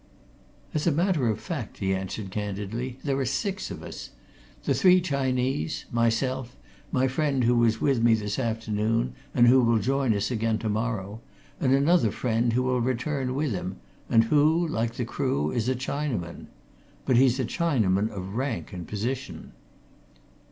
"As a matter of fact," he answered candidly, "there are six of us. The three Chinese; myself; my friend who was with me this afternoon, and who will join us again tomorrow, and another friend who will return with him, and who, like the crew, is a Chinaman. But he's a Chinaman of rank and position."